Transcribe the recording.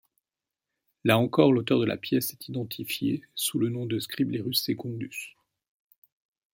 Là encore, l'auteur de la pièce est identifié sous le nom de Scriblerus Secundus.